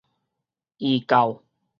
異教